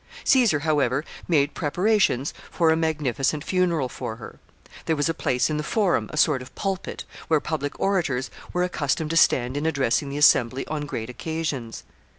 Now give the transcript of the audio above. Caesar, however, made preparations for a magnificent funeral for her. There was a place in the Forum, a sort of pulpit, where public orators were accustomed to stand in addressing the assembly on great occasions.